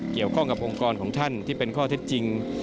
เกี่ยวข้องกับองค์กรของท่านที่เป็นข้อเท็จจริง